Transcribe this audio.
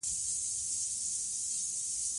په بدو کي د ښځو ورکولو دود د زور او ظلم نښه وه .